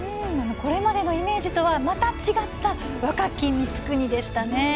これまでのイメージとはまた違った若き光圀でしたね。